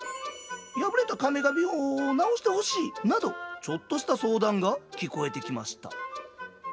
破れた壁紙を直してほしいなどちょっとした相談が聞こえてきました。